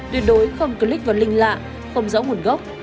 tuyệt đối không click vào link lạ không rõ nguồn gốc